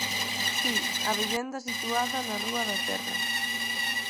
Si, a vivenda situada na rúa da Terra.